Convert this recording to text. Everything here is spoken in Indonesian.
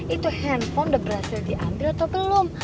itu handphone udah berhasil diambil atau belum